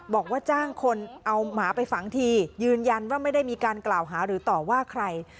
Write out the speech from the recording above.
บอกว่าจ้างคนเอาหมาไปฝังทียืนยันว่าไม่ได้มีการกล่าวหาหรือต่อว่าใคร